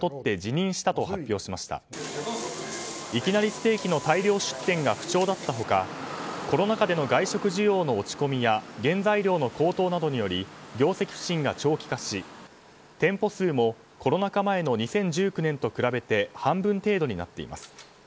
ステーキの大量出店が不調だった他コロナ禍での外食需要の落ち込みや原材料の高騰などにより業績不振が長期化し店舗数もコロナ禍前の２０１９年と比べて半分程度になっています。